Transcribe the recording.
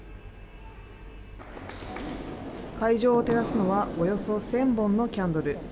会場を照らすのはおよそ１０００本のキャンドル。